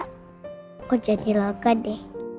kok jadi lega deh